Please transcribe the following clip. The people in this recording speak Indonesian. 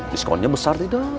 diskonnya besar tidak